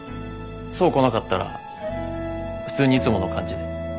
想来なかったら普通にいつもの感じで。